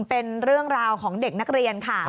เป็นเรื่องราวของเด็กนักเรียนค่ะ